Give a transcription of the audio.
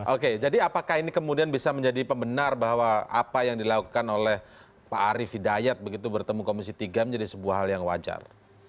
oke jadi apakah ini kemudian bisa menjadi pembenar bahwa apa yang dilakukan oleh pak arief hidayat begitu bertemu komisi tiga menjadi sebuah hal yang wajar